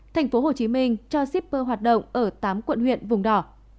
thành phố hồ chí minh cho shipper hoạt động ở tám quận huyện vùng đỏ